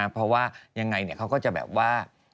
เพราะว่ายังไงเขาก็จะแบบว่า